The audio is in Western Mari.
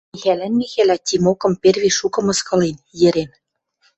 Михӓлӓн Михӓлӓ Тимокым перви шукы мыскылен, йӹрен.